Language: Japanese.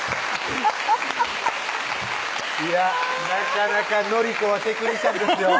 いやなかなか典子はテクニシャンですよ